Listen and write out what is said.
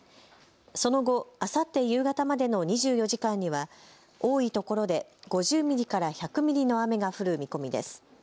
その後、あさって夕方までの２４時間には多いところで５０ミリから１００ミリの雨が降る見込みです。